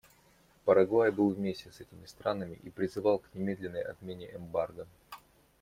Парагвай был вместе с этими странами и призывал к немедленной отмене эмбарго.